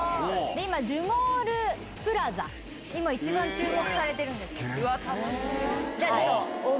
で樹モールプラザが今一番注目されてるんです。